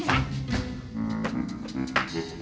tidak mungkin ada yang tahu